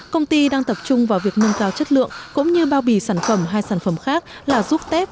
công ty đang tập trung vào việc nâng cao chất lượng cũng như bao bì sản phẩm hai sản phẩm khác là ruốc tép